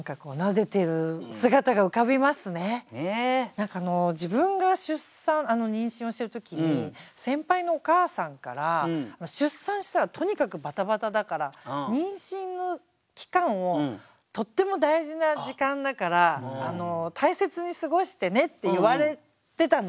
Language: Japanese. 何か自分が出産妊娠をしてる時に先輩のお母さんから妊娠の期間をとっても大事な時間だから大切に過ごしてねって言われてたんですよ。